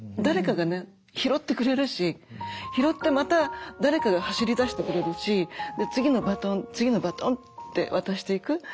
誰かがね拾ってくれるし拾ってまた誰かが走りだしてくれるし次のバトン次のバトンって渡していく。